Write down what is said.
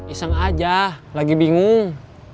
iseng aja lagi bingung